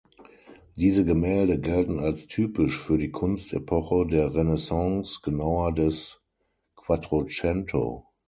Diese Gemälde gelten als typisch für die Kunstepoche der Renaissance, genauer des Quattrocento.